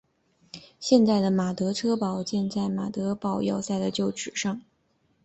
现在的马德堡车站建在马德堡要塞的旧址上。